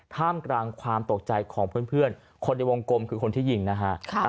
ท่ามกลางความตกใจของเพื่อนคนในวงกลมคือคนที่ยิงนะฮะ